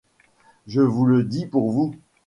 Je vous le dis pour vous.